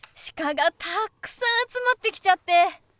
鹿がたくさん集まってきちゃって。